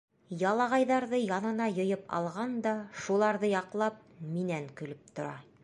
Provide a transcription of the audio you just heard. Ялағайҙарҙы янына йыйып алған да, шуларҙы яҡлап, минән көлөп тора.